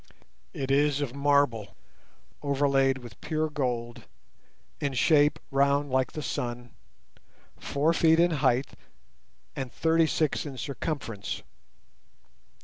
It is of marble overlaid with pure gold, in shape round like the sun, four feet in height, and thirty six in circumference.